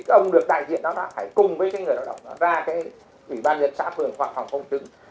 thì ông được đại diện đó là phải cùng với cái người đạo động ra cái ủy ban nhân sạc hưởng hoặc phòng công chứng